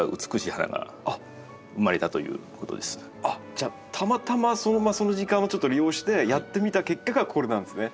じゃあたまたまその時間をちょっと利用してやってみた結果がこれなんですね。